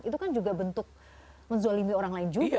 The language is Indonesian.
itu kan juga bentuk menzolimi orang lain juga